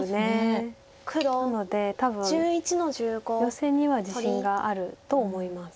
なので多分ヨセには自信があると思います。